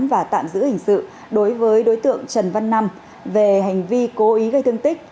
và tạm giữ hình sự đối với đối tượng trần văn năm về hành vi cố ý gây thương tích